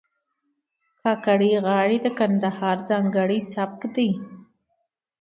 د کاکړۍ غاړې د کندهار ځانګړی سبک دی.